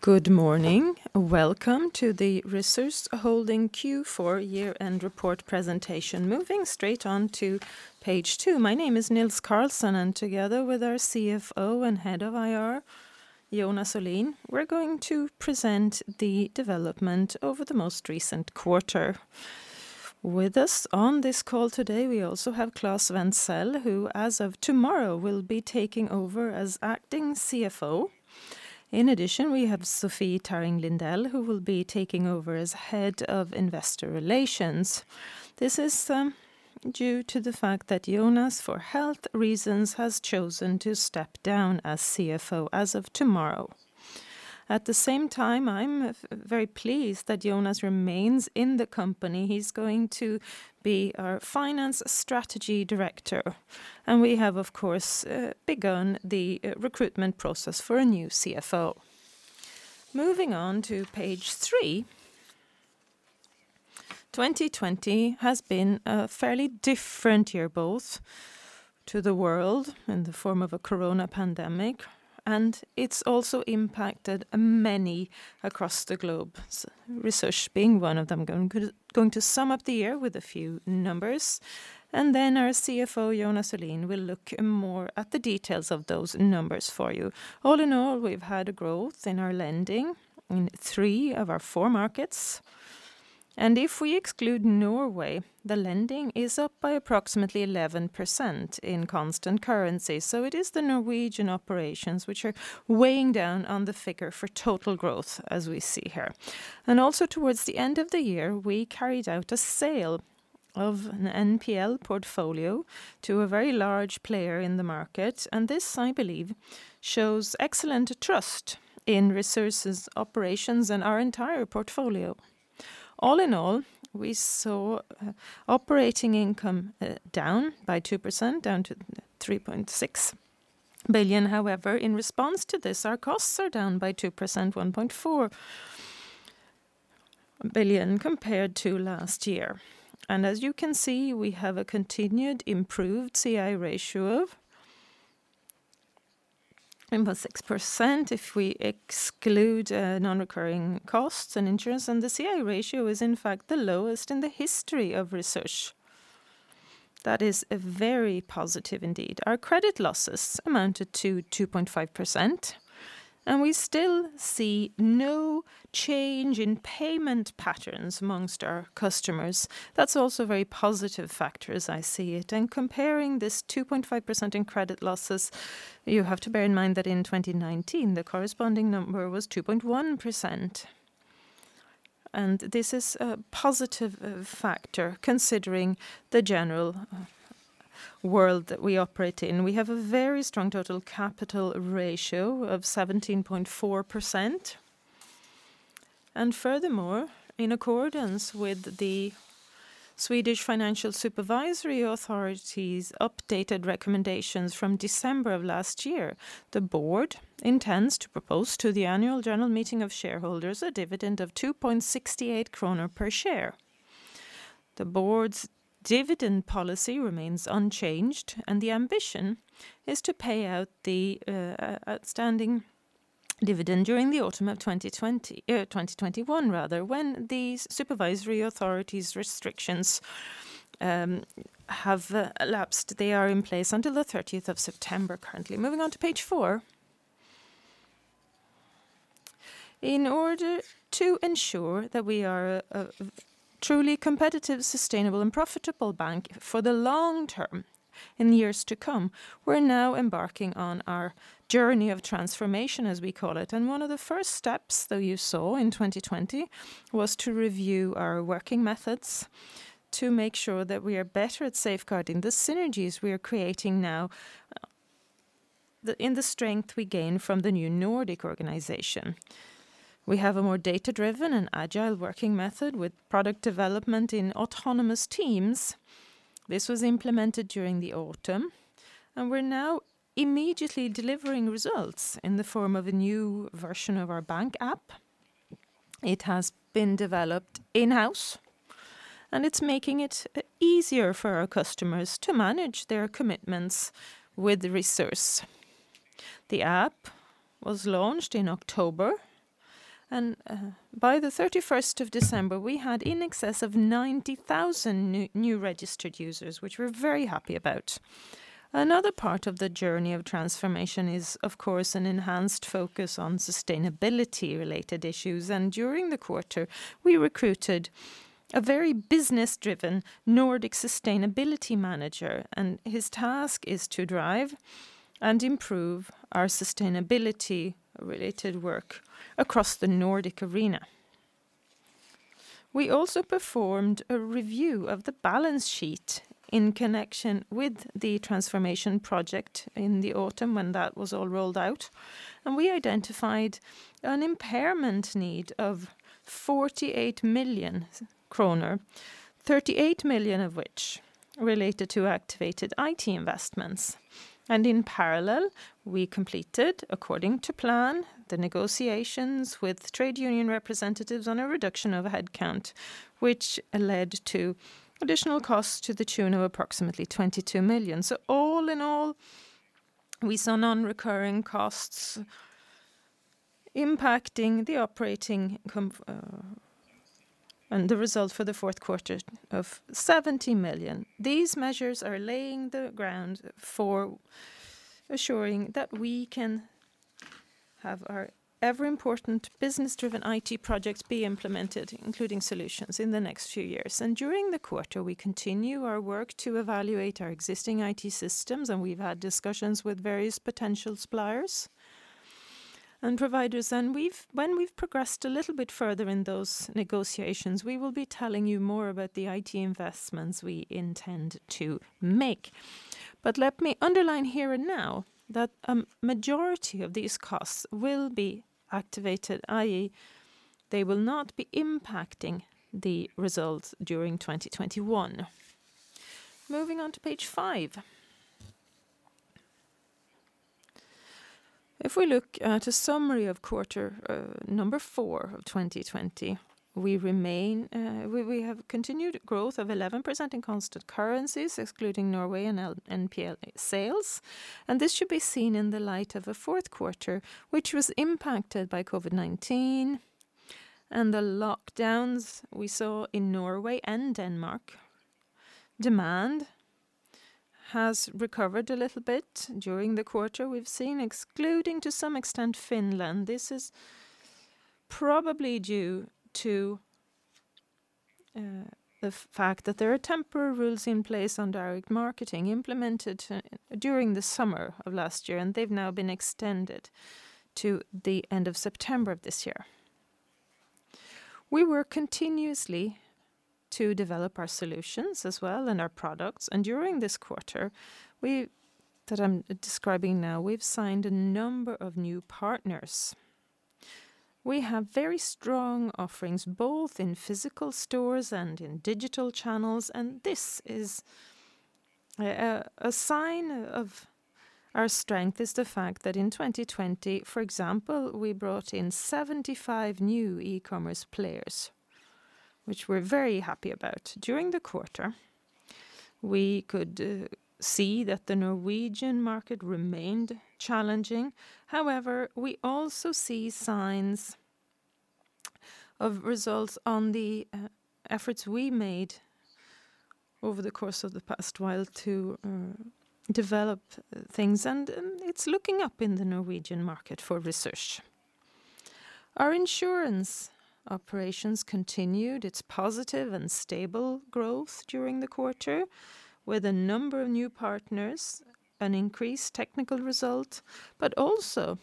Good morning. Welcome to the Resurs Holding Q4 year-end report presentation. Moving straight on to page two. My name is Nils Carlsson, together with our CFO and Head of IR, Jonas Olin, we're going to present the development over the most recent quarter. With us on this call today, we also have Claes Wenthzel, who as of tomorrow will be taking over as Acting CFO. In addition, we have Sofie Tarring Lindell, who will be taking over as Head of Investor Relations. This is due to the fact that Jonas, for health reasons, has chosen to step down as CFO as of tomorrow. At the same time, I'm very pleased that Jonas remains in the company. He's going to be our finance strategy director. We have, of course, begun the recruitment process for a new CFO. Moving on to page three. 2020 has been a fairly different year, both to the world in the form of a COVID-19 pandemic, it's also impacted many across the globe, Resurs being one of them. I'm going to sum up the year with a few numbers, then our CFO, Jonas Olin, will look more at the details of those numbers for you. All in all, we've had a growth in our lending in three of our four markets. If we exclude Norway, the lending is up by approximately 11% in constant currency. It is the Norwegian operations which are weighing down on the figure for total growth, as we see here. Also towards the end of the year, we carried out a sale of an NPL portfolio to a very large player in the market. This, I believe, shows excellent trust in Resurs' operations and our entire portfolio. All in all, we saw operating income down by 2%, down to 3.6 billion. However, in response to this, our costs are down by 2%, 1.4 billion, compared to last year. As you can see, we have a continued improved C/I ratio of 38.6% if we exclude non-recurring costs and insurance. The C/I ratio is, in fact, the lowest in the history of Resurs. That is very positive indeed. Our credit losses amounted to 2.5%, and we still see no change in payment patterns amongst our customers. That's also a very positive factor as I see it. Comparing this 2.5% in credit losses, you have to bear in mind that in 2019, the corresponding number was 2.1%. This is a positive factor considering the general world that we operate in. We have a very strong total capital ratio of 17.4%. Furthermore, in accordance with the Swedish Financial Supervisory Authority's updated recommendations from December of last year, the board intends to propose to the annual general meeting of shareholders a dividend of 2.68 kronor per share. The board's dividend policy remains unchanged, and the ambition is to pay out the outstanding dividend during the autumn of 2021, when the supervisory authority's restrictions have elapsed. They are in place until the 30th of September currently. Moving on to page four. In order to ensure that we are a truly competitive, sustainable, and profitable bank for the long term in the years to come, we're now embarking on our journey of transformation, as we call it. One of the first steps that you saw in 2020 was to review our working methods to make sure that we are better at safeguarding the synergies we are creating now in the strength we gain from the new Nordic organization. We have a more data-driven and agile working method with product development in autonomous teams. This was implemented during the autumn, and we're now immediately delivering results in the form of a new version of our Bank app. It has been developed in-house, and it's making it easier for our customers to manage their commitments with Resurs. The app was launched in October, and by the 31st of December, we had in excess of 90,000 new registered users, which we're very happy about. Another part of the journey of transformation is, of course, an enhanced focus on sustainability-related issues. During the quarter, we recruited a very business-driven Nordic sustainability manager, and his task is to drive and improve our sustainability-related work across the Nordic arena. We also performed a review of the balance sheet in connection with the transformation project in the autumn when that was all rolled out, and we identified an impairment need of 48 million kronor, 38 million of which related to activated IT investments. In parallel, we completed, according to plan, the negotiations with trade union representatives on a reduction of headcount, which led to additional costs to the tune of approximately 22 million. All in all. We saw non-recurring costs impacting the operating and the result for the fourth quarter of 70 million. These measures are laying the ground for assuring that we can have our ever-important business-driven IT projects be implemented, including solutions in the next few years. During the quarter, we continue our work to evaluate our existing IT systems, and we've had discussions with various potential suppliers and providers. When we've progressed a little bit further in those negotiations, we will be telling you more about the IT investments we intend to make. Let me underline here and now that majority of these costs will be activated, i.e., they will not be impacting the results during 2021. Moving on to page five. If we look at a summary of quarter number four of 2020, we have continued growth of 11% in constant currencies, excluding Norway and NPL sales. This should be seen in the light of a fourth quarter, which was impacted by COVID-19 and the lockdowns we saw in Norway and Denmark. Demand has recovered a little bit during the quarter. We've seen excluding to some extent Finland. This is probably due to the fact that there are temporary rules in place on direct marketing implemented during the summer of last year. They've now been extended to the end of September of this year. We work continuously to develop our solutions as well and our products. During this quarter that I'm describing now, we've signed a number of new partners. We have very strong offerings both in physical stores and in digital channels. A sign of our strength is the fact that in 2020, for example, we brought in 75 new e-commerce players, which we're very happy about. During the quarter, we could see that the Norwegian market remained challenging. However, we also see signs of results on the efforts we made over the course of the past while to develop things. It's looking up in the Norwegian market for Resurs. Our insurance operations continued its positive and stable growth during the quarter with a number of new partners, an increased technical result, but also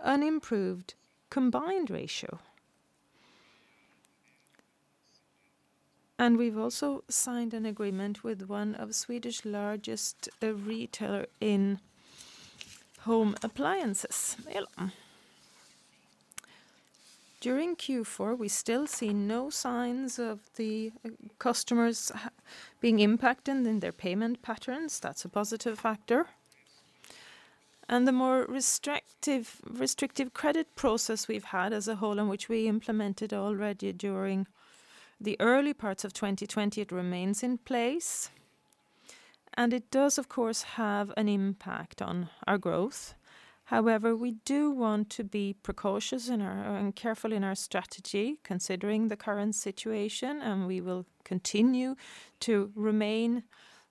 an improved combined ratio. We've also signed an agreement with one of Swedish largest retailer in home appliances. During Q4, we still see no signs of the customers being impacted in their payment patterns. That's a positive factor. The more restrictive credit process we've had as a whole and which we implemented already during the early parts of 2020, it remains in place. It does, of course, have an impact on our growth. However, we do want to be precautious and careful in our strategy considering the current situation, and we will continue to remain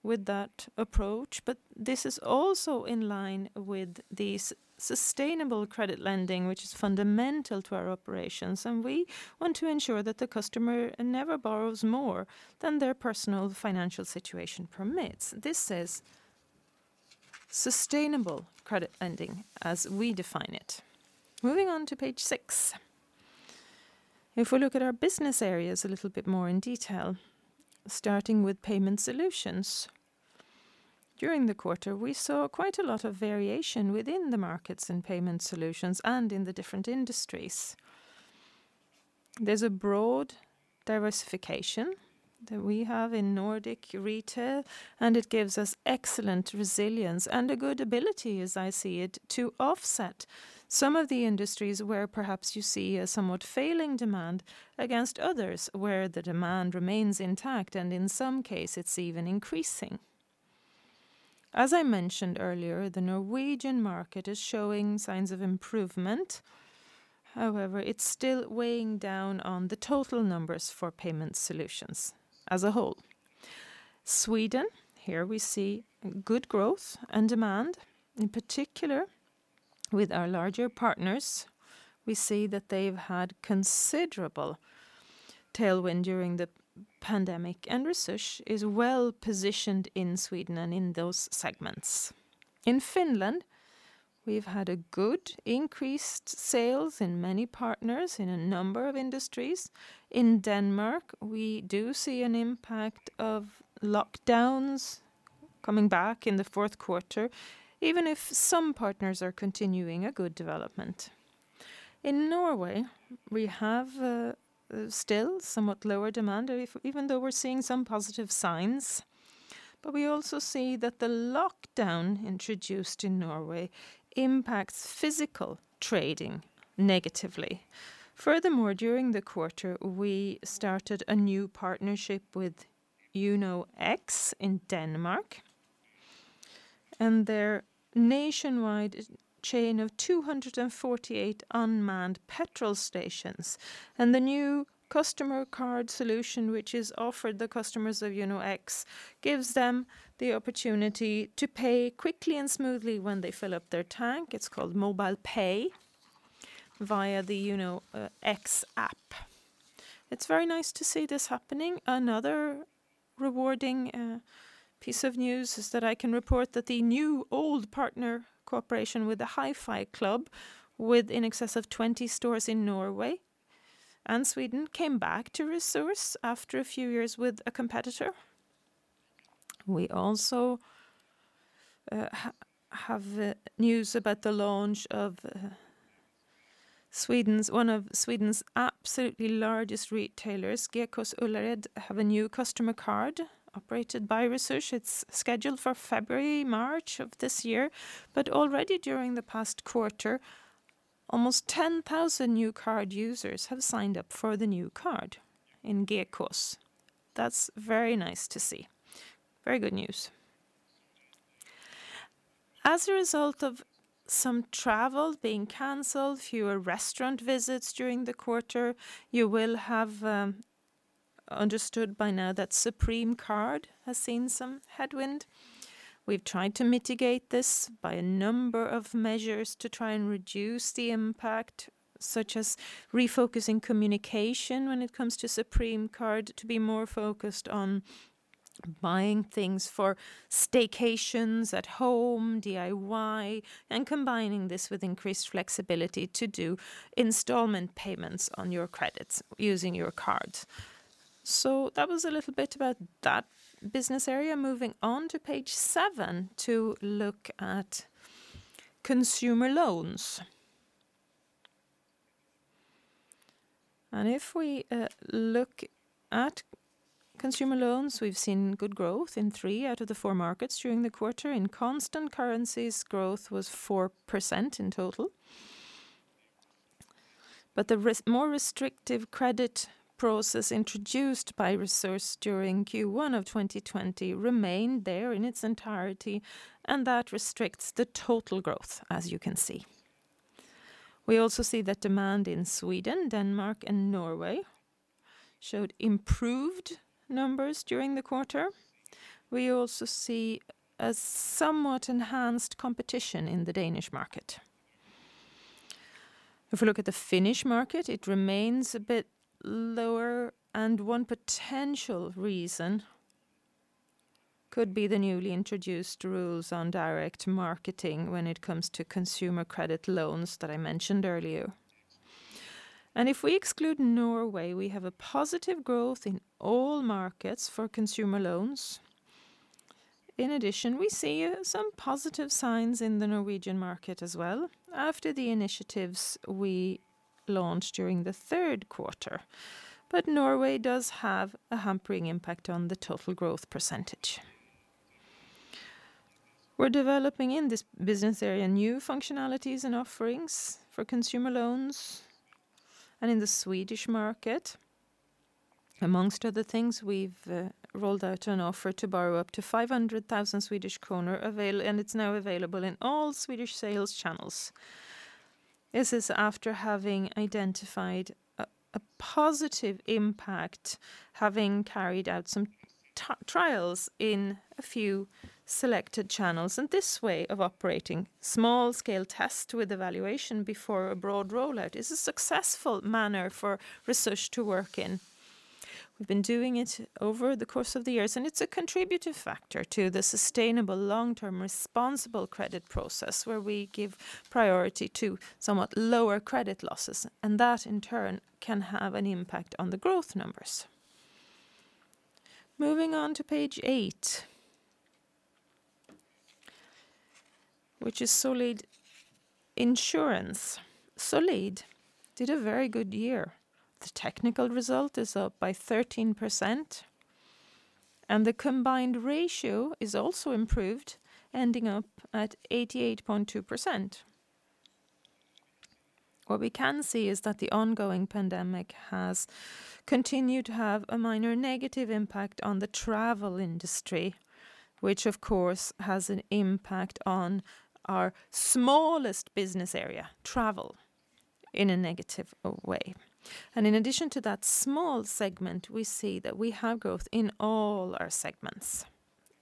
with that approach. This is also in line with the sustainable credit lending, which is fundamental to our operations, and we want to ensure that the customer never borrows more than their personal financial situation permits. This is sustainable credit lending as we define it. Moving on to page six. If we look at our business areas a little bit more in detail, starting with Payment Solutions. During the quarter, we saw quite a lot of variation within the markets and Payment Solutions and in the different industries. There's a broad diversification that we have in Nordic retail, and it gives us excellent resilience and a good ability, as I see it, to offset some of the industries where perhaps you see a somewhat failing demand against others where the demand remains intact, and in some case, it's even increasing. As I mentioned earlier, the Norwegian market is showing signs of improvement. It's still weighing down on the total numbers for Payment Solutions as a whole. In Sweden, here we see good growth and demand. In particular with our larger partners, we see that they've had considerable tailwind during the pandemic. Resurs is well-positioned in Sweden and in those segments. In Finland, we've had a good increased sales in many partners in a number of industries. In Denmark, we do see an impact of lockdowns coming back in the fourth quarter, even if some partners are continuing a good development. In Norway, we have still somewhat lower demand even though we're seeing some positive signs. We also see that the lockdown introduced in Norway impacts physical trading negatively. During the quarter, we started a new partnership with Uno-X in Denmark and their nationwide chain of 248 unmanned petrol stations. The new customer card solution, which has offered the customers of Uno-X, gives them the opportunity to pay quickly and smoothly when they fill up their tank. It's called MobilePay via the Uno-X app. It's very nice to see this happening. Another rewarding piece of news is that I can report that the new old partner cooperation with the HiFi Klubben, with in excess of 20 stores in Norway and Sweden, came back to Resurs after a few years with a competitor. We also have news about the launch of one of Sweden's absolutely largest retailers. Gekås Ullared have a new customer card operated by Resurs. It's scheduled for February, March of this year. Already during the past quarter, almost 10,000 new card users have signed up for the new card in Gekås. That's very nice to see. Very good news. As a result of some travel being canceled, fewer restaurant visits during the quarter, you will have understood by now that Supreme Card has seen some headwind. We've tried to mitigate this by a number of measures to try and reduce the impact, such as refocusing communication when it comes to Supreme Card to be more focused on buying things for staycations at home, DIY, and combining this with increased flexibility to do installment payments on your credits using your card. That was a little bit about that business area. Moving on to page seven to look at consumer loans. If we look at consumer loans, we've seen good growth in three out of the four markets during the quarter. In constant currencies, growth was 4% in total. The more restrictive credit process introduced by Resurs during Q1 of 2020 remained there in its entirety, and that restricts the total growth, as you can see. We also see that demand in Sweden, Denmark, and Norway showed improved numbers during the quarter. We also see a somewhat enhanced competition in the Danish market. If we look at the Finnish market, it remains a bit lower, and one potential reason could be the newly introduced rules on direct marketing when it comes to consumer credit loans that I mentioned earlier. If we exclude Norway, we have a positive growth in all markets for consumer loans. In addition, we see some positive signs in the Norwegian market as well after the initiatives we launched during the third quarter. Norway does have a hampering impact on the total growth percentage. We're developing in this business area new functionalities and offerings for consumer loans. In the Swedish market, amongst other things, we've rolled out an offer to borrow up to 500,000 Swedish kronor, and it's now available in all Swedish sales channels. This is after having identified a positive impact, having carried out some trials in a few selected channels. This way of operating small-scale test with evaluation before a broad rollout is a successful manner for Resurs to work in. We've been doing it over the course of the years, and it's a contributive factor to the sustainable long-term responsible credit process where we give priority to somewhat lower credit losses, and that in turn can have an impact on the growth numbers. Moving on to page eight, which is Solid Insurance. Solid did a very good year. The technical result is up by 13%, and the combined ratio is also improved, ending up at 88.2%. What we can see is that the ongoing pandemic has continued to have a minor negative impact on the travel industry, which of course has an impact on our smallest business area, travel, in a negative way. In addition to that small segment, we see that we have growth in all our segments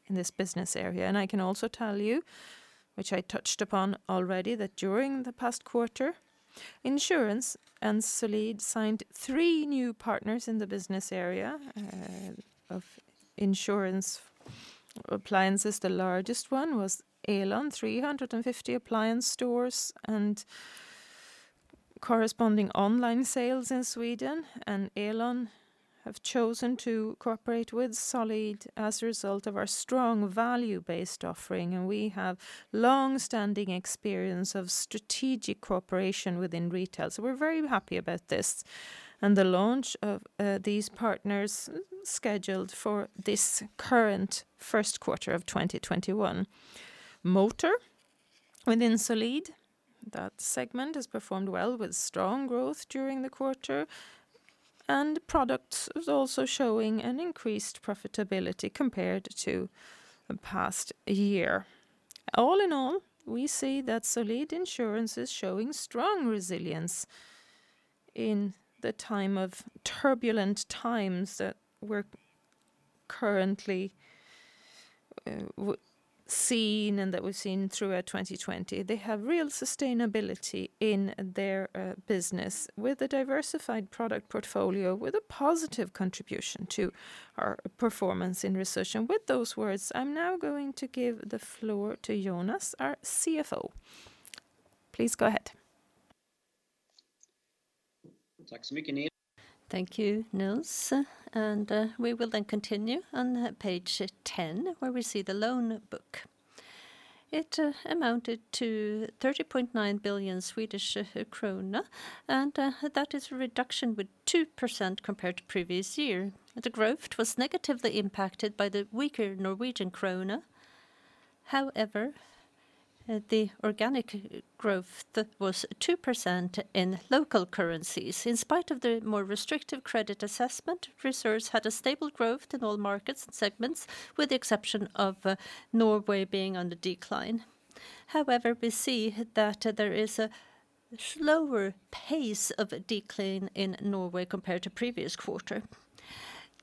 in this business area. I can also tell you, which I touched upon already, that during the past quarter, insurance and Solid signed three new partners in the business area of insurance appliances. The largest one was Elon, 350 appliance stores and corresponding online sales in Sweden. Elon have chosen to cooperate with Solid as a result of our strong value-based offering, and we have long-standing experience of strategic cooperation within retail. We're very happy about this and the launch of these partners scheduled for this current first quarter of 2021. Within Solid, that segment has performed well with strong growth during the quarter. Products is also showing an increased profitability compared to the past year. All in all, we see that Solid Insurance is showing strong resilience in the time of turbulent times that we're currently seeing and that we've seen throughout 2020. They have real sustainability in their business with a diversified product portfolio, with a positive contribution to our performance in Resurs. With those words, I'm now going to give the floor to Jonas, our CFO. Please go ahead. Thank you, Nils. We will then continue on page 10 where we see the loan book. It amounted to 30.9 billion Swedish krona. That is a reduction with 2% compared to previous year. The growth was negatively impacted by the weaker Norwegian krona. However, the organic growth that was 2% in local currencies. In spite of the more restrictive credit assessment, Resurs had a stable growth in all markets and segments, with the exception of Norway being on the decline. We see that there is a slower pace of decline in Norway compared to previous quarter.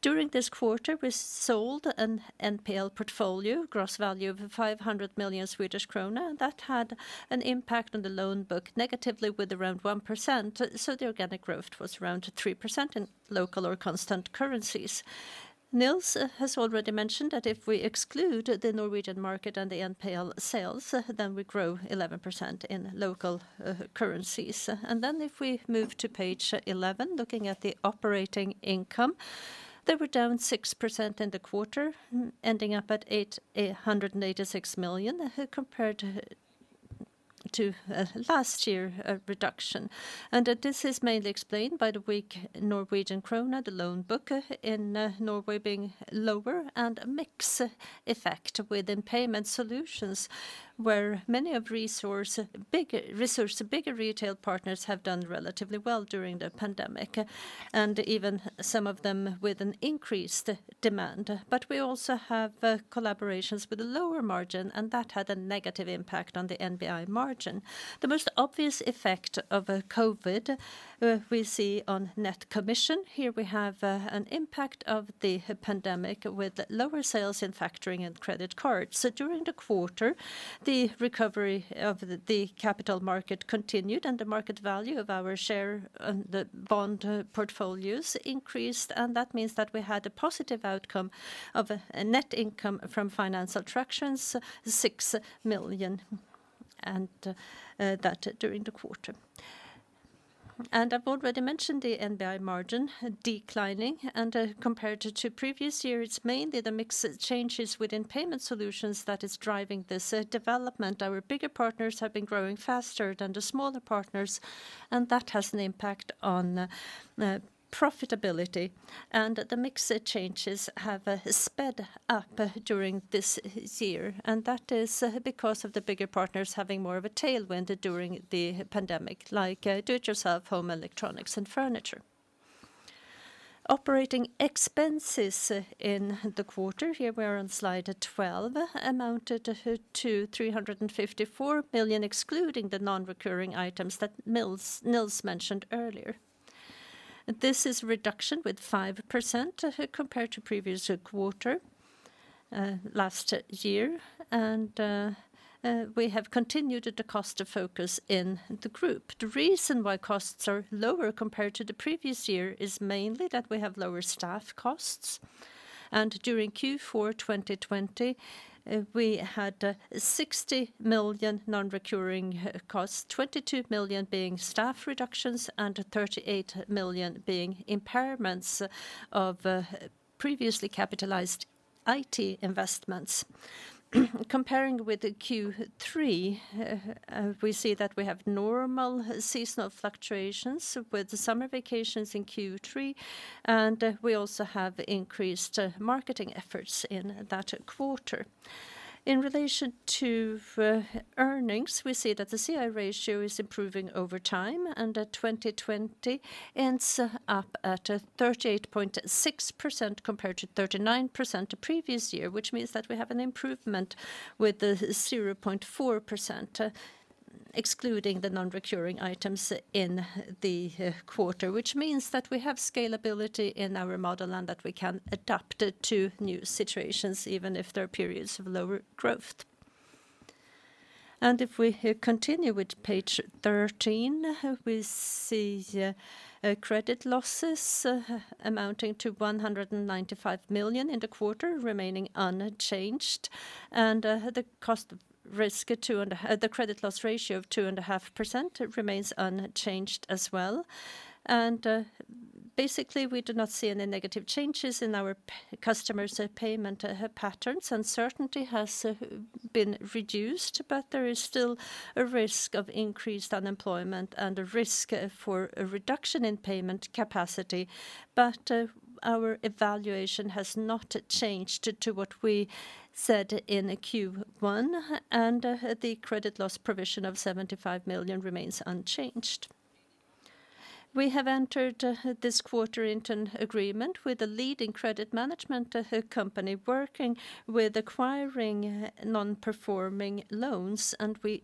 During this quarter, we sold an NPL portfolio gross value of 500 million Swedish krona, and that had an impact on the loan book negatively with around 1%, so the organic growth was around 3% in local or constant currencies. Nils has already mentioned that if we exclude the Norwegian market and the NPL sales, then we grow 11% in local currencies. If we move to page 11, looking at the operating income, they were down 6% in the quarter, ending up at 886 million compared to last year reduction. This is mainly explained by the weak Norwegian krona, the loan book in Norway being lower, and a mix effect within Payment Solutions where many of Resurs' bigger retail partners have done relatively well during the pandemic, and even some of them with an increased demand. We also have collaborations with a lower margin, and that had a negative impact on the NBI margin. The most obvious effect of COVID we see on net commission. Here we have an impact of the pandemic with lower sales in factoring and credit cards. During the quarter, the recovery of the capital market continued and the market value of our share and the bond portfolios increased, and that means that we had a positive outcome of a net income from financial transactions, 6 million, and that during the quarter. I've already mentioned the NBI margin declining and compared to two previous years, mainly the mix changes within Payment Solutions that is driving this development. Our bigger partners have been growing faster than the smaller partners, and that has an impact on profitability. The mix changes have sped up during this year. That is because of the bigger partners having more of a tailwind during the pandemic like do it yourself, home electronics, and furniture. Operating expenses in the quarter, here we're on slide 12, amounted to 354 million excluding the non-recurring items that Nils mentioned earlier. This is a reduction with 5% compared to previous quarter last year. We have continued the cost focus in the group. The reason why costs are lower compared to the previous year is mainly that we have lower staff costs. During Q4 2020, we had 60 million non-recurring costs, 22 million being staff reductions, and 38 million being impairments of previously capitalized IT investments. Comparing with Q3, we see that we have normal seasonal fluctuations with the summer vacations in Q3. We also have increased marketing efforts in that quarter. In relation to earnings, we see that the C/I ratio is improving over time. That 2020 ends up at 38.6% compared to 39% the previous year, which means that we have an improvement with 0.4%, excluding the non-recurring items in the quarter, which means that we have scalability in our model and that we can adapt it to new situations even if there are periods of lower growth. If we continue with page 13, we see credit losses amounting to 195 million in the quarter remaining unchanged. The credit loss ratio of 2.5% remains unchanged as well. Basically, we do not see any negative changes in our customers' payment patterns. Uncertainty has been reduced, but there is still a risk of increased unemployment and a risk for a reduction in payment capacity. Our evaluation has not changed to what we said in Q1, and the credit loss provision of 75 million remains unchanged. We have entered this quarter into an agreement with a leading credit management company working with acquiring non-performing loans. We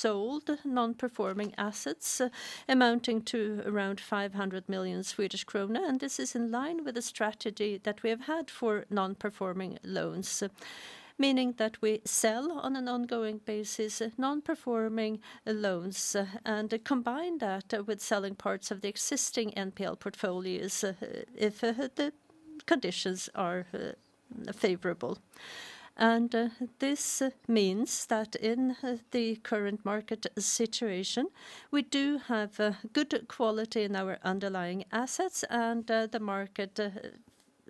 sold non-performing assets amounting to around 500 million Swedish kronor. This is in line with the strategy that we have had for non-performing loans. Meaning that we sell on an ongoing basis non-performing loans and combine that with selling parts of the existing NPL portfolios if the conditions are favorable. This means that in the current market situation, we do have good quality in our underlying assets, and the market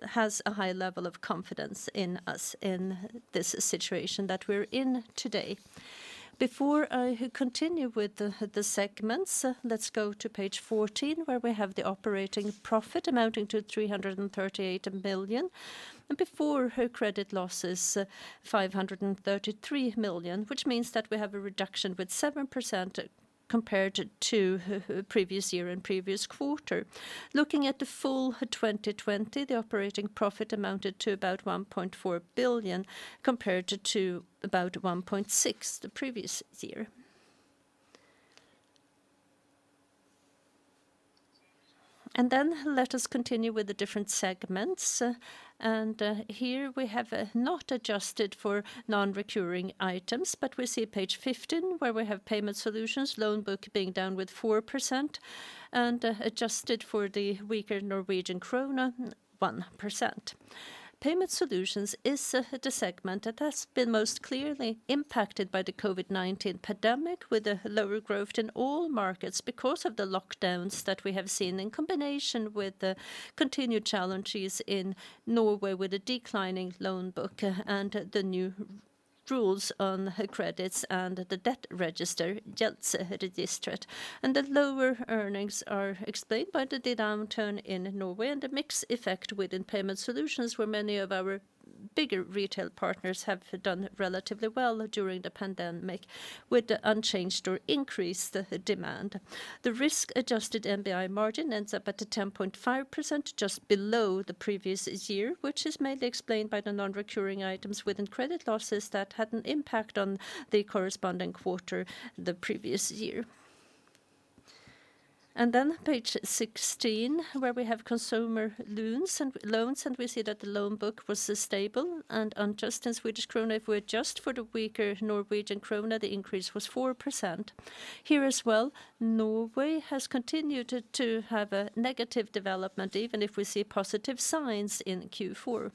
has a high level of confidence in us in this situation that we're in today. Before I continue with the segments, let's go to page 14 where we have the operating profit amounting to 338 million, and before credit losses, 533 million, which means that we have a reduction with 7% compared to previous year and previous quarter. Looking at the full 2020, the operating profit amounted to about 1.4 billion compared to about 1.6 billion the previous year. Let us continue with the different segments. Here we have not adjusted for non-recurring items, but we see page 15 where we have Payment Solutions, loan book being down with 4% and adjusted for the weaker Norwegian krona, 1%. Payment Solutions is the segment that has been most clearly impacted by the COVID-19 pandemic with a lower growth in all markets because of the lockdowns that we have seen in combination with the continued challenges in Norway with a declining loan book and the new rules on credits and the debt register, Gjeldsregisteret. The lower earnings are explained by the downturn in Norway and the mixed effect within Payment Solutions, where many of our bigger retail partners have done relatively well during the pandemic with the unchanged or increased demand. The risk-adjusted NBI margin ends up at 10.5%, just below the previous year, which is mainly explained by the non-recurring items within credit losses that had an impact on the corresponding quarter the previous year. Page 16, where we have consumer loans. We see that the loan book was stable and unadjusted Swedish krona, if we adjust for the weaker Norwegian krona, the increase was 4%. Here as well Norway has continued to have a negative development even if we see positive signs in Q4.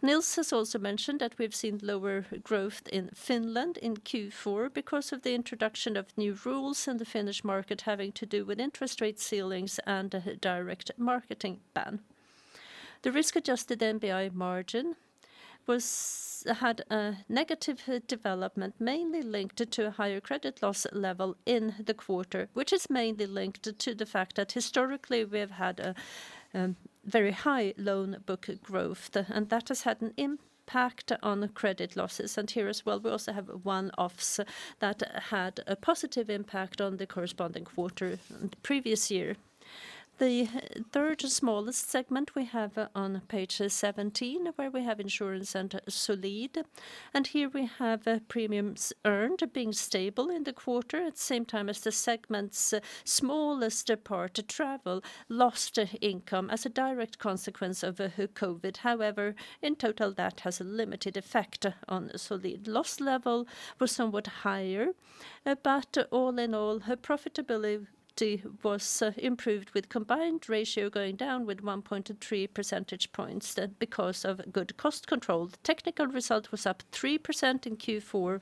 Nils has also mentioned that we've seen lower growth in Finland in Q4 because of the introduction of new rules in the Finnish market having to do with interest rate ceilings and a direct marketing ban. The risk-adjusted NBI margin had a negative development, mainly linked to a higher credit loss level in the quarter, which is mainly linked to the fact that historically we have had a very high loan book growth, and that has had an impact on credit losses. Here as well, we also have one-offs that had a positive impact on the corresponding quarter previous year. The third smallest segment we have on page 17 where we have insurance and Solid. Here we have premiums earned being stable in the quarter at the same time as the segment's smallest part travel lost income as a direct consequence of COVID-19. However, in total, that has a limited effect on Solid. Loss level was somewhat higher. All in all, profitability was improved with combined ratio going down with 1.3 percentage points because of good cost control. The technical result was up 3% in Q4,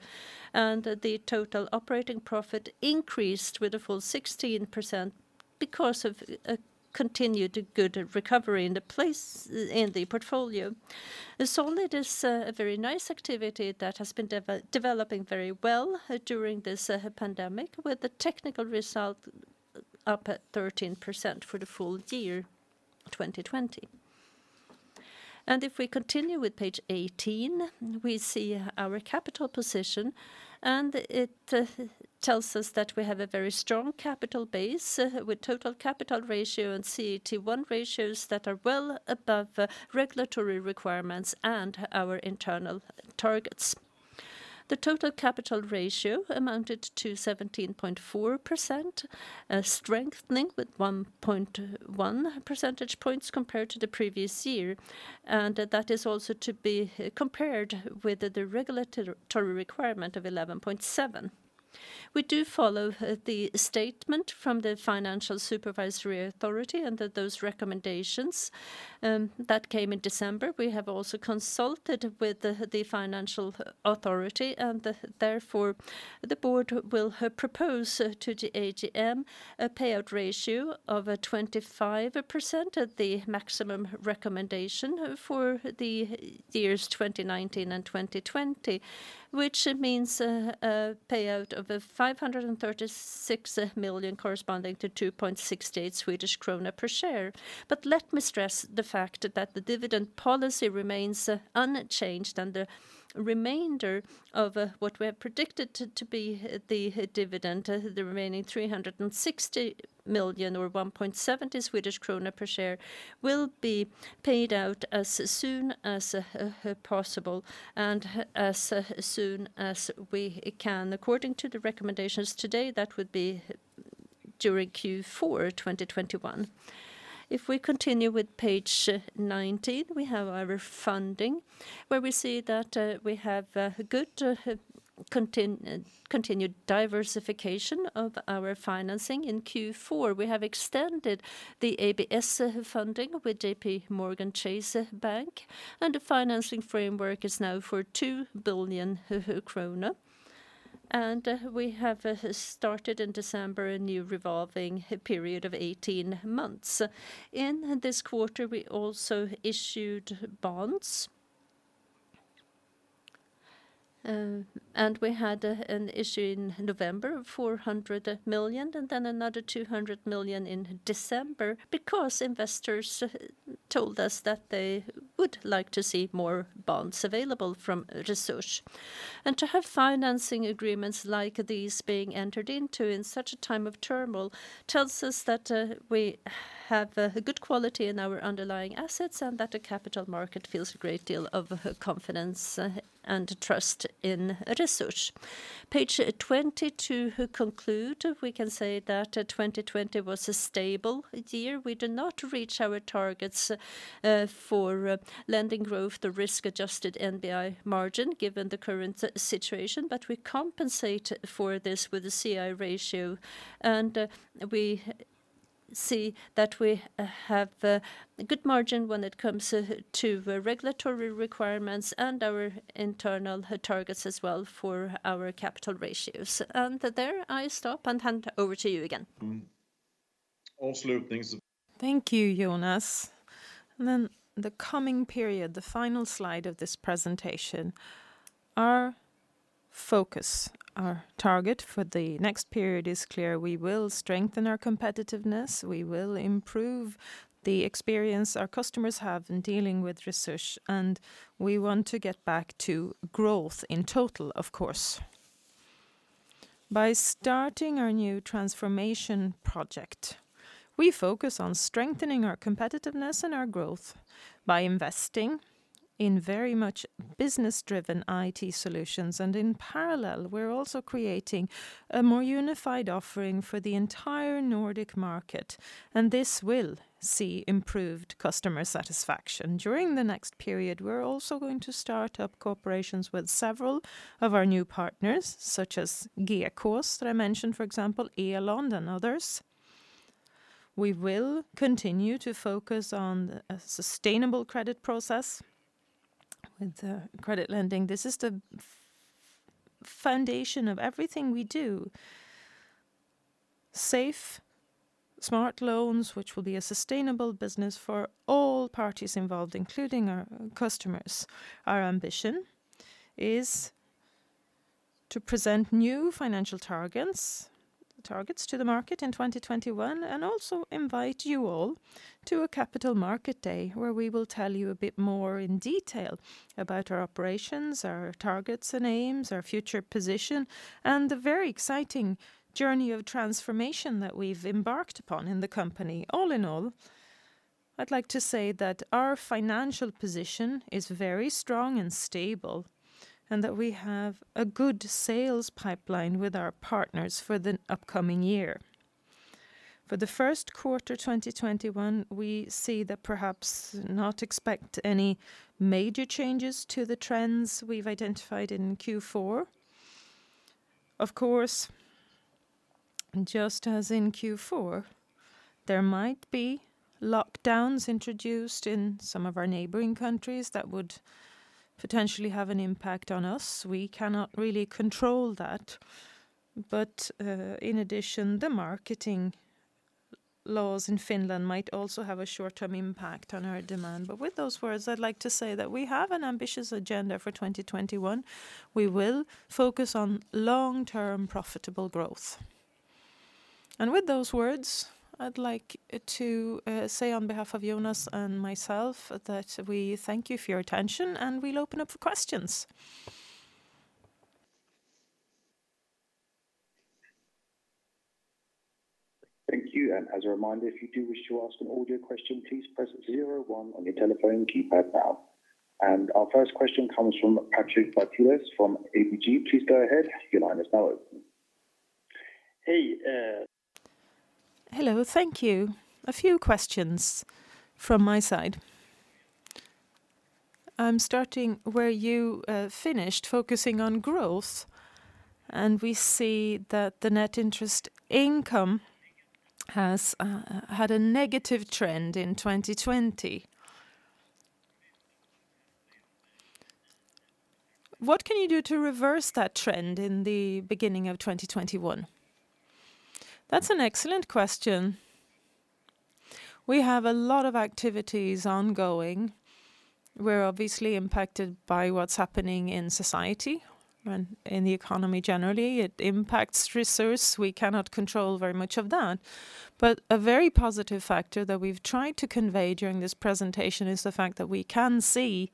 and the total operating profit increased with a full 16% because of a continued good recovery in the portfolio. Solid is a very nice activity that has been developing very well during this pandemic, with the technical result up at 13% for the full year 2020. If we continue with page 18, we see our capital position. It tells us that we have a very strong capital base with total capital ratio and CET1 ratios that are well above regulatory requirements and our internal targets. The total capital ratio amounted to 17.4%, strengthening with 1.1 percentage points compared to the previous year. That is also to be compared with the regulatory requirement of 11.7%. We do follow the statement from the Financial Supervisory Authority and those recommendations that came in December. We have also consulted with the Financial Supervisory Authority and therefore the board will propose to the AGM a payout ratio of 25% at the maximum recommendation for the years 2019 and 2020, which means a payout of 536 million corresponding to 2.68 Swedish krona per share. Let me stress the fact that the dividend policy remains unchanged and the remainder of what we have predicted to be the dividend, the remaining 360 million or 1.70 Swedish kronor per share will be paid out as soon as possible and as soon as we can. According to the recommendations today, that would be during Q4 2021. If we continue with page 19, we have our funding, where we see that we have good continued diversification of our financing in Q4. We have extended the ABS funding with JPMorgan Chase Bank, and the financing framework is now for 2 billion kronor. We have started in December a new revolving period of 18 months. In this quarter, we also issued bonds. We had an issue in November of 400 million, then another 200 million in December because investors told us that they would like to see more bonds available from Resurs. To have financing agreements like these being entered into in such a time of turmoil tells us that we have a good quality in our underlying assets and that the capital market feels a great deal of confidence and trust in Resurs. Page 22, to conclude, we can say that 2020 was a stable year. We did not reach our targets for lending growth, the risk-adjusted NBI margin, given the current situation, but we compensate for this with the C/I ratio. We see that we have a good margin when it comes to regulatory requirements and our internal targets as well for our capital ratios. There I stop and hand over to you again. Absolutely. Thank you, Jonas. The coming period, the final slide of this presentation. Our focus, our target for the next period is clear. We will strengthen our competitiveness, we will improve the experience our customers have in dealing with Resurs, and we want to get back to growth in total, of course. By starting our new transformation project, we focus on strengthening our competitiveness and our growth by investing in very much business-driven IT solutions. In parallel, we're also creating a more unified offering for the entire Nordic market, and this will see improved customer satisfaction. During the next period, we're also going to start up cooperations with several of our new partners, such as Gekås, that I mentioned, for example, Elon and others. We will continue to focus on a sustainable credit process with credit lending. This is the foundation of everything we do. Safe, smart loans, which will be a sustainable business for all parties involved, including our customers. Our ambition is to present new financial targets to the market in 2021 and also invite you all to a capital market day where we will tell you a bit more in detail about our operations, our targets and aims, our future position, and the very exciting journey of transformation that we've embarked upon in the company. All in all, I'd like to say that our financial position is very strong and stable, and that we have a good sales pipeline with our partners for the upcoming year. For the first quarter 2021, we see that perhaps not expect any major changes to the trends we've identified in Q4. Of course, just as in Q4, there might be lockdowns introduced in some of our neighboring countries that would potentially have an impact on us. We cannot really control that. In addition, the marketing laws in Finland might also have a short-term impact on our demand. With those words, I'd like to say that we have an ambitious agenda for 2021. We will focus on long-term profitable growth. With those words, I'd like to say on behalf of Jonas and myself that we thank you for your attention, and we'll open up for questions. Thank you. As a reminder, if you do wish to ask an audio question, please press zero one on your telephone keypad now. Our first question comes from Patrik Brattelius from ABG. Please go ahead. Your line is now open. Hello. Thank you. A few questions from my side. I'm starting where you finished focusing on growth, and we see that the net interest income has had a negative trend in 2020. What can you do to reverse that trend in the beginning of 2021? That's an excellent question. We have a lot of activities ongoing. We're obviously impacted by what's happening in society and in the economy generally. It impacts Resurs. We cannot control very much of that. A very positive factor that we've tried to convey during this presentation is the fact that we can see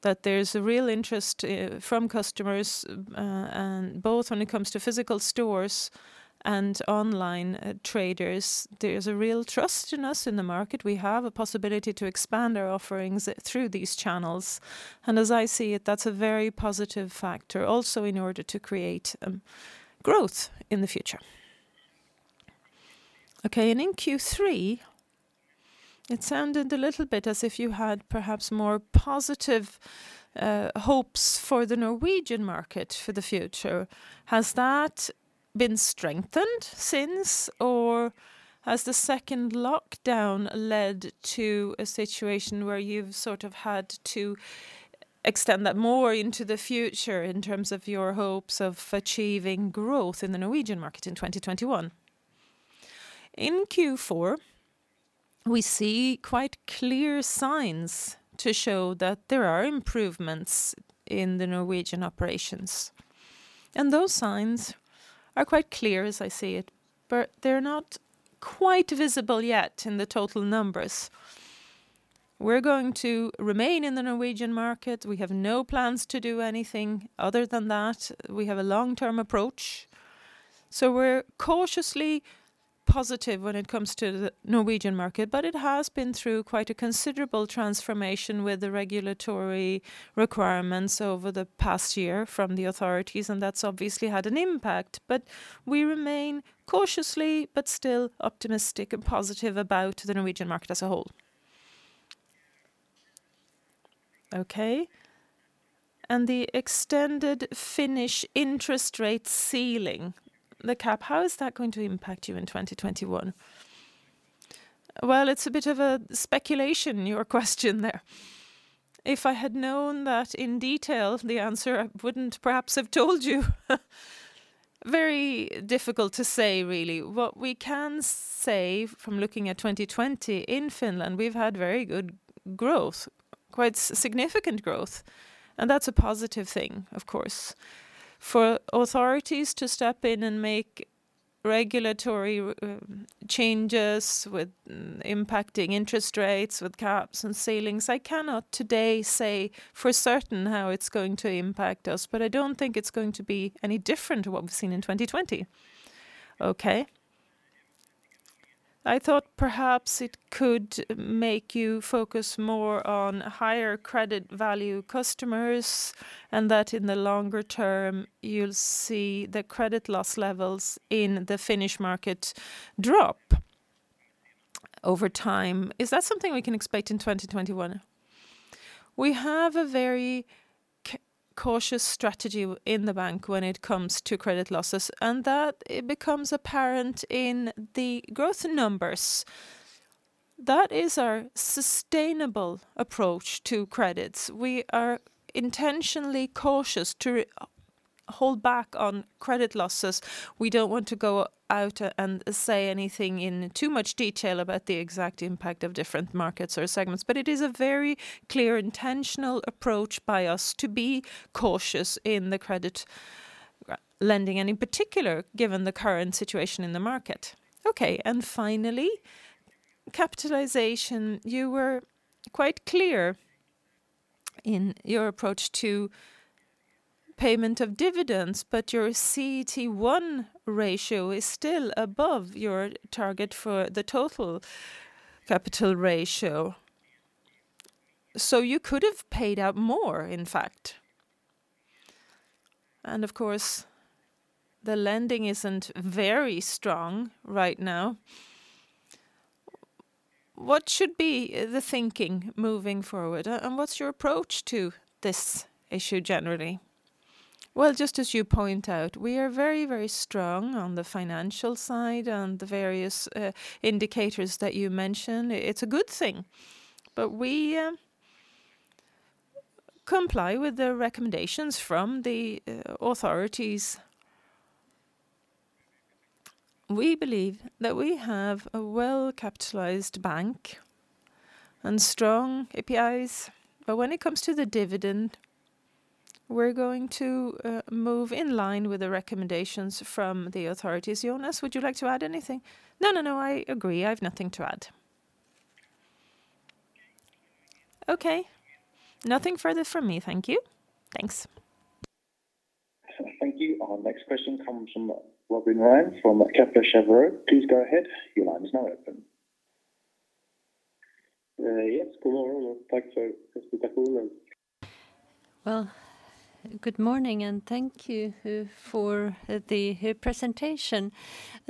that there's a real interest from customers, both when it comes to physical stores and online traders. There is a real trust in us in the market. We have a possibility to expand our offerings through these channels. As I see it, that's a very positive factor also in order to create growth in the future. Okay. In Q3, it sounded a little bit as if you had perhaps more positive hopes for the Norwegian market for the future. Has that been strengthened since, or has the second lockdown led to a situation where you've had to extend that more into the future in terms of your hopes of achieving growth in the Norwegian market in 2021? In Q4, we see quite clear signs to show that there are improvements in the Norwegian operations, and those signs are quite clear as I see it, but they're not quite visible yet in the total numbers. We're going to remain in the Norwegian market. We have no plans to do anything other than that. We have a long-term approach, so we're cautiously positive when it comes to the Norwegian market. It has been through quite a considerable transformation with the regulatory requirements over the past year from the authorities, and that's obviously had an impact. We remain cautiously but still optimistic and positive about the Norwegian market as a whole. Okay, the extended Finnish interest rate ceiling, the cap, how is that going to impact you in 2021? It's a bit of a speculation, your question there. If I had known that in detail, the answer I wouldn't perhaps have told you. Very difficult to say really. What we can say from looking at 2020 in Finland, we've had very good growth, quite significant growth, and that's a positive thing, of course. For authorities to step in and make regulatory changes with impacting interest rates with caps and ceilings, I cannot today say for certain how it's going to impact us, but I don't think it's going to be any different to what we've seen in 2020. Okay. I thought perhaps it could make you focus more on higher credit value customers, and that in the longer term you'll see the credit loss levels in the Finnish market drop over time. Is that something we can expect in 2021? We have a very cautious strategy in the bank when it comes to credit losses, and that it becomes apparent in the growth numbers. That is our sustainable approach to credits. We are intentionally cautious to hold back on credit losses. We don't want to go out and say anything in too much detail about the exact impact of different markets or segments. It is a very clear intentional approach by us to be cautious in the credit lending, and in particular, given the current situation in the market. Okay. Finally, capitalization. You were quite clear in your approach to payment of dividends, but your CET1 ratio is still above your target for the total capital ratio. You could have paid out more, in fact. Of course, the lending isn't very strong right now. What should be the thinking moving forward and what's your approach to this issue generally? Well, just as you point out, we are very strong on the financial side on the various indicators that you mentioned. It's a good thing. We comply with the recommendations from the authorities. We believe that we have a well-capitalized bank and strong ratios. When it comes to the dividend, we're going to move in line with the recommendations from the authorities. Jonas, would you like to add anything? No, I agree. I have nothing to add. Okay. Nothing further from me. Thank you. Thanks. Thank you. Our next question comes from Robin Rane from Kepler Cheuvreux. Please go ahead. Your line is now open. Yes. Go on, Robin. Thanks for taking our call. Well, good morning. Thank you for the presentation.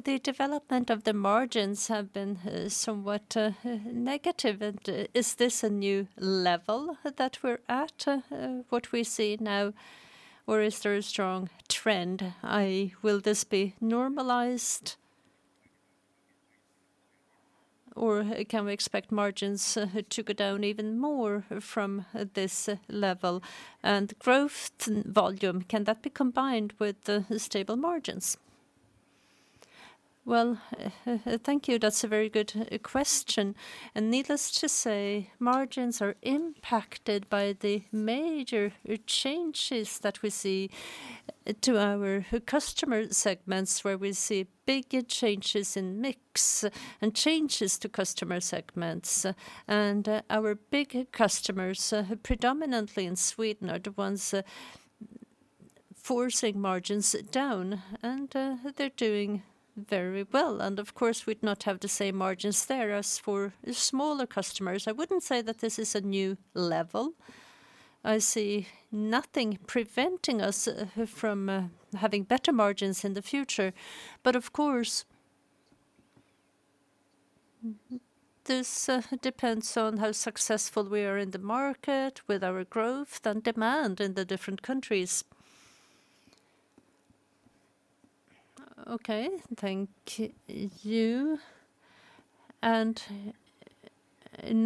The development of the margins have been somewhat negative. Is this a new level that we're at what we see now, or is there a strong trend? Will this be normalized, or can we expect margins to go down even more from this level? Growth volume, can that be combined with the stable margins? Well, thank you. That's a very good question, and needless to say, margins are impacted by the major changes that we see to our customer segments where we see bigger changes in mix and changes to customer segments. Our bigger customers, predominantly in Sweden, are the ones forcing margins down and they're doing very well. Of course, we'd not have the same margins there as for smaller customers. I wouldn't say that this is a new level. I see nothing preventing us from having better margins in the future. Of course, this depends on how successful we are in the market with our growth and demand in the different countries. Okay. Thank you. In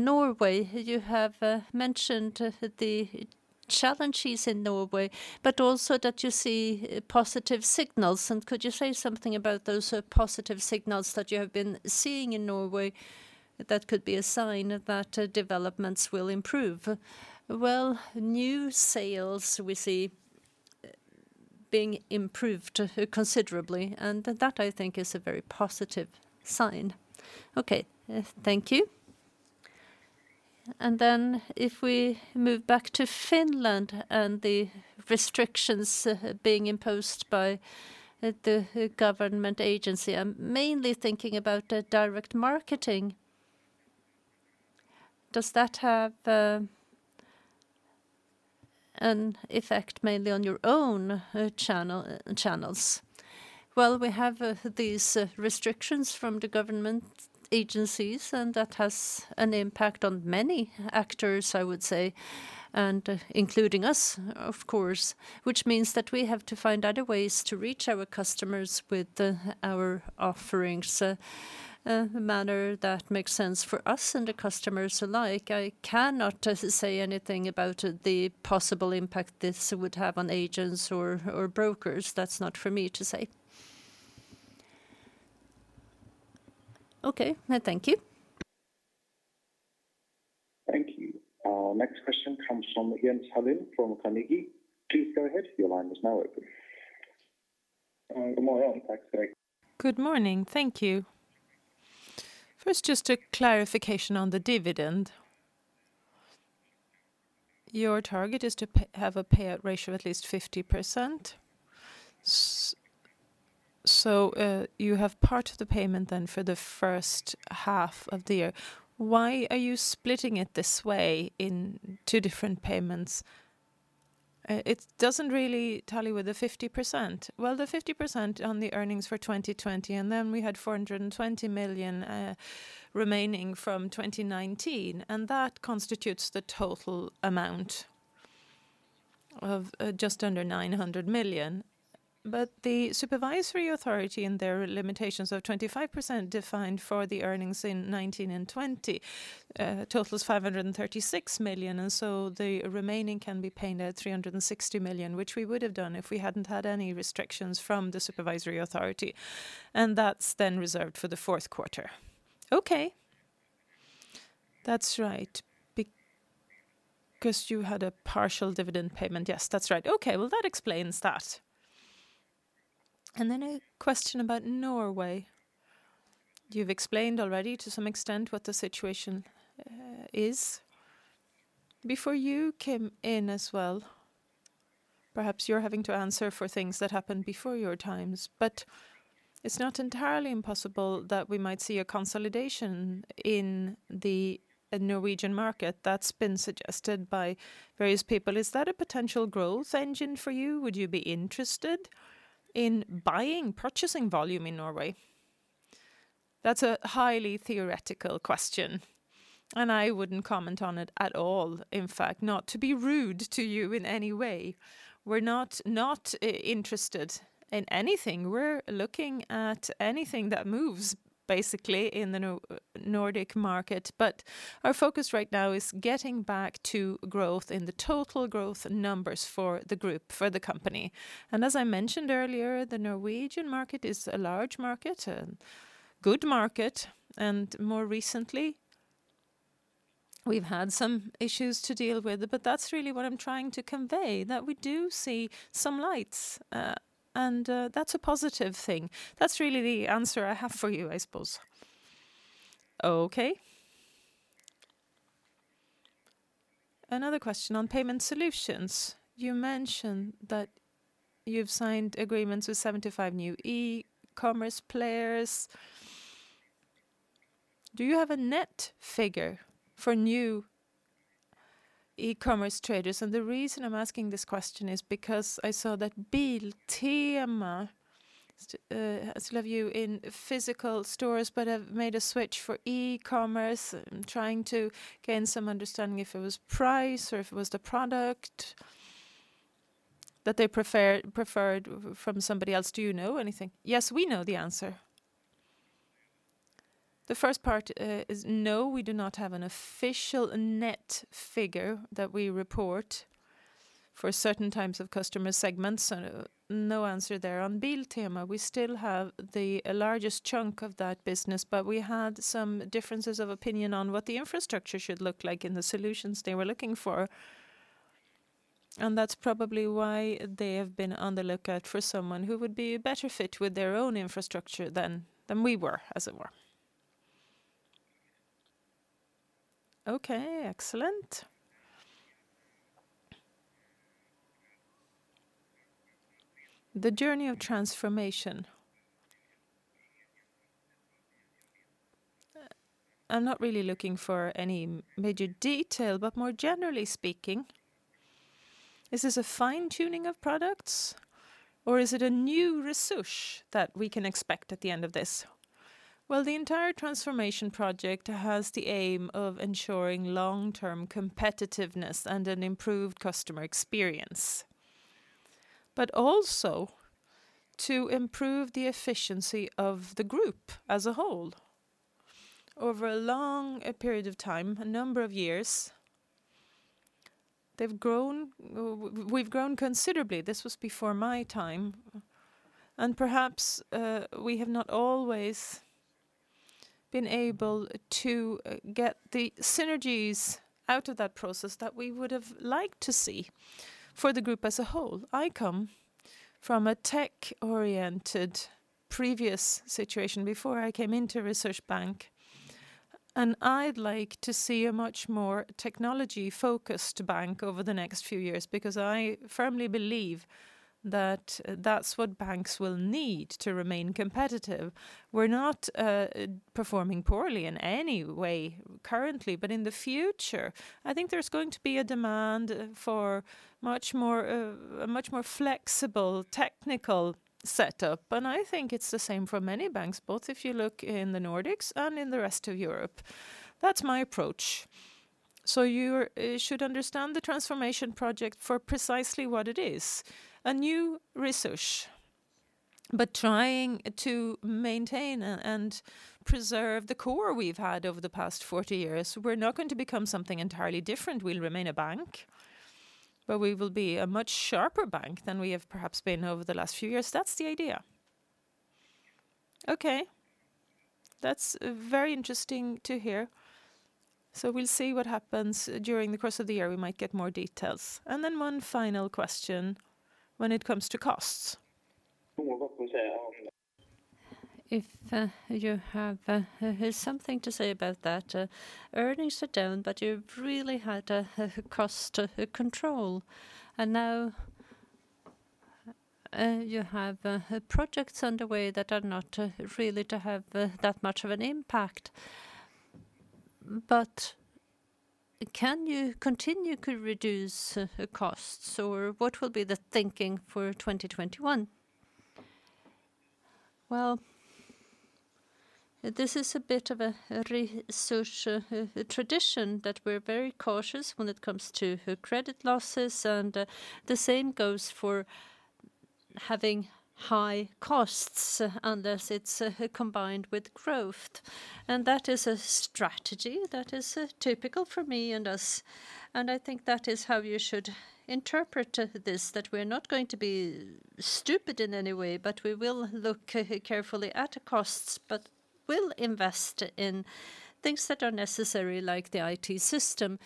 Norway, you have mentioned the challenges in Norway, but also that you see positive signals. Could you say something about those positive signals that you have been seeing in Norway that could be a sign that developments will improve? Well, new sales we see being improved considerably, and that I think is a very positive sign. Okay. Thank you. Then if we move back to Finland and the restrictions being imposed by the government agency. I'm mainly thinking about direct marketing. Does that have an effect mainly on your own channels? Well, we have these restrictions from the government agencies, and that has an impact on many actors, I would say, and including us, of course. Which means that we have to find other ways to reach our customers with our offerings in a manner that makes sense for us and the customers alike. I cannot say anything about the possible impact this would have on agents or brokers. That's not for me to say. Okay. Thank you. Thank you. Our next question comes from Jens Hallén from Carnegie. Please go ahead. Your line is now open. Good morning. Thank you. First, just a clarification on the dividend. Your target is to have a payout ratio of at least 50%. You have part of the payment then for the first half of the year. Why are you splitting it this way in two different payments? It doesn't really tally with the 50%. The 50% on the earnings for 2020, and then we had 420 million remaining from 2019, and that constitutes the total amount of just under 900 million. The Supervisory Authority and their limitations of 25% defined for the earnings in 2019 and 2020 totals 536 million. The remaining can be paid at 360 million, which we would have done if we hadn't had any restrictions from the Supervisory Authority. That's then reserved for the fourth quarter. Okay. That's right. Because you had a partial dividend payment. Yes, that's right. Okay. Well, that explains that. A question about Norway. You've explained already to some extent what the situation is. Before you came in as well, perhaps you're having to answer for things that happened before your times, but it's not entirely impossible that we might see a consolidation in the Norwegian market that's been suggested by various people. Is that a potential growth engine for you? Would you be interested in buying purchasing volume in Norway? That's a highly theoretical question, and I wouldn't comment on it at all. In fact, not to be rude to you in any way. We're not interested in anything. We're looking at anything that moves basically in the Nordic market, but our focus right now is getting back to growth in the total growth numbers for the group, for the company. As I mentioned earlier, the Norwegian market is a large market, a good market, and more recently we've had some issues to deal with. That's really what I'm trying to convey, that we do see some lights. That's a positive thing. That's really the answer I have for you, I suppose. Okay. Another question on Payment Solutions. You mentioned that you've signed agreements with 75 new e-commerce players. Do you have a net figure for new e-commerce traders? The reason I'm asking this question is because I saw that Biltema, I still have you in physical stores, but have made a switch for e-commerce. I'm trying to gain some understanding if it was price or if it was the product that they preferred from somebody else. Do you know anything? Yes, we know the answer. The first part is no, we do not have an official net figure that we report for certain types of customer segments. No answer there. On Biltema, we still have the largest chunk of that business, but we had some differences of opinion on what the infrastructure should look like and the solutions they were looking for. That's probably why they have been on the lookout for someone who would be a better fit with their own infrastructure than we were, as it were. Okay. Excellent. The journey of transformation. I'm not really looking for any major detail, but more generally speaking, is this a fine-tuning of products or is it a new Resurs that we can expect at the end of this? The entire transformation project has the aim of ensuring long-term competitiveness and an improved customer experience, but also to improve the efficiency of the group as a whole. Over a long period of time, a number of years, we've grown considerably. This was before my time, perhaps we have not always been able to get the synergies out of that process that we would have liked to see for the group as a whole. I come from a tech-oriented previous situation before I came into Resurs Bank, I'd like to see a much more technology-focused bank over the next few years, because I firmly believe that that's what banks will need to remain competitive. We're not performing poorly in any way currently. In the future, I think there's going to be a demand for a much more flexible technical setup. I think it's the same for many banks, both if you look in the Nordics and in the rest of Europe. That's my approach. You should understand the transformation project for precisely what it is, a new Resurs, but trying to maintain and preserve the core we've had over the past 40 years. We're not going to become something entirely different. We'll remain a bank, but we will be a much sharper bank than we have perhaps been over the last few years. That's the idea. Okay. That's very interesting to hear. We'll see what happens during the course of the year. We might get more details. One final question when it comes to costs. If you have something to say about that. Earnings are down, you've really had a cost control, and now you have projects underway that are not really to have that much of an impact. Can you continue to reduce costs, or what will be the thinking for 2021? Well, this is a bit of a Resurs tradition that we're very cautious when it comes to credit losses, and the same goes for having high costs unless it's combined with growth. That is a strategy that is typical for me and us, and I think that is how you should interpret this, that we're not going to be stupid in any way, but we will look carefully at costs, but will invest in things that are necessary, like the IT system.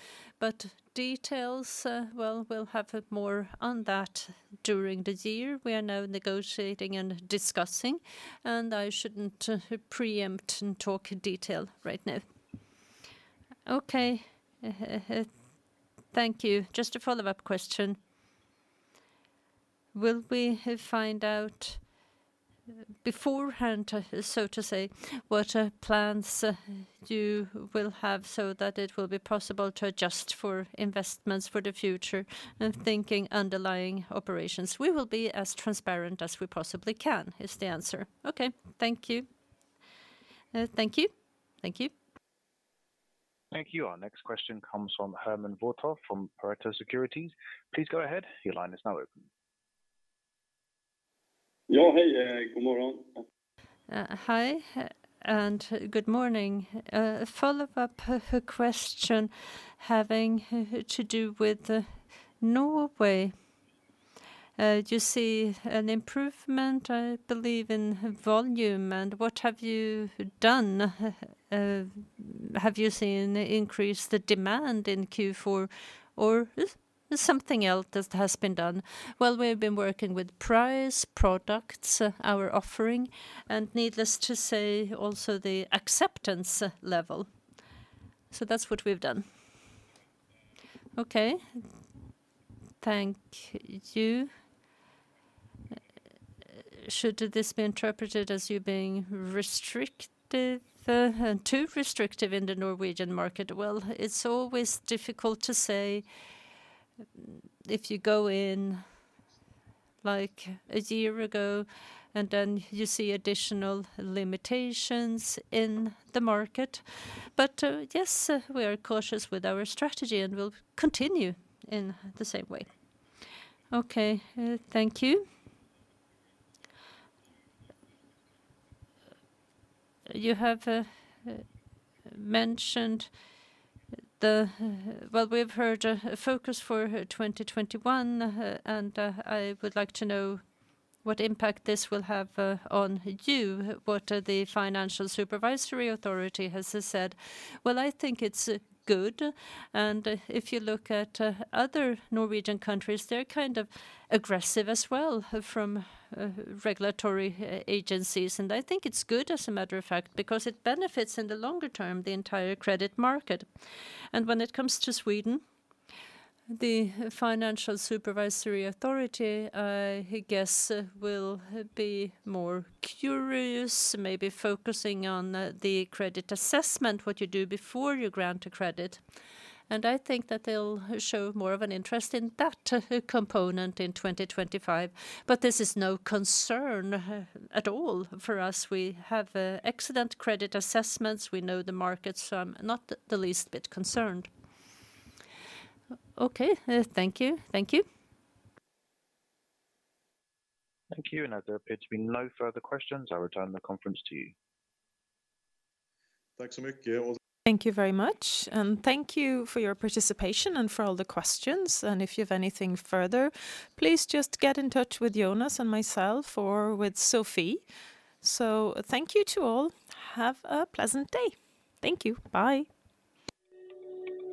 Details, well, we'll have more on that during the year. We are now negotiating and discussing, and I shouldn't preempt and talk in detail right now. Thank you. Just a follow-up question. Will we find out beforehand, so to say, what plans you will have so that it will be possible to adjust for investments for the future and thinking underlying operations? We will be as transparent as we possibly can, is the answer. Okay. Thank you. Thank you. Thank you. Thank you. Our next question comes from Herman [Botor] from Pareto Securities. Please go ahead. Hi, good morning. A follow-up question having to do with Norway. Do you see an improvement, I believe, in volume, and what have you done? Have you seen an increase the demand in Q4 or is something else that has been done? Well, we've been working with price, products, our offering, and needless to say, also the acceptance level. That's what we've done. Okay. Thank you. Should this be interpreted as you being too restrictive in the Norwegian market? Well, it's always difficult to say if you go in a year ago and then you see additional limitations in the market. Yes, we are cautious with our strategy, and we'll continue in the same way. Okay. Thank you. Well, we've heard a focus for 2021, and I would like to know what impact this will have on you, what the Financial Supervisory Authority has said. Well, I think it's good, and if you look at other Nordic countries, they're kind of aggressive as well from regulatory agencies. I think it's good as a matter of fact, because it benefits in the longer term, the entire credit market. When it comes to Sweden, the Swedish Financial Supervisory Authority, I guess, will be more curious, maybe focusing on the credit assessment, what you do before you grant a credit. I think that they'll show more of an interest in that component in 2025. This is no concern at all for us. We have excellent credit assessments. We know the markets. I'm not the least bit concerned. Okay. Thank you. Thank you. Thank you. As there appear to be no further questions, I return the conference to you. Thank you very much. Thank you for your participation and for all the questions. If you have anything further, please just get in touch with Jonas and myself or with Sofie. Thank you to all. Have a pleasant day. Thank you. Bye.